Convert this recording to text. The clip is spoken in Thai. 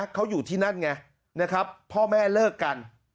เขาอยู่ที่นั่นไงพ่อแม่เลิกกัน